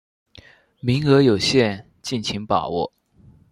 名额有限，敬请把握